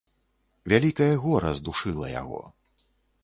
Вялікае гора здушыла яго.